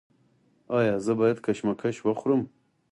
ایا زه باید کشمش وخورم؟